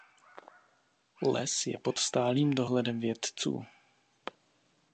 Les je pod stálým dohledem vědců.